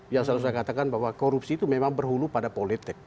yang selalu saya katakan bahwa korupsi itu memang berhulu pada politik